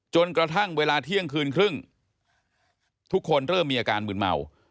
จนกระทั่งเวลาเที่ยงคืนครึ่งทุกคนเริ่มมีอาการมืนเมา